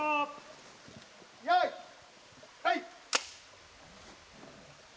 よいはい！